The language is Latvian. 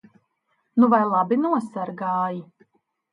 Nu vai labi nosargāji?